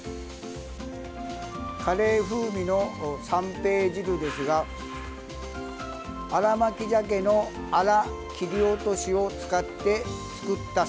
カレー風味の三平汁ですが新巻鮭のあら切り落としを使って作った汁です。